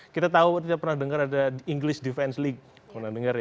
kita tahu kita pernah dengar ada english defense league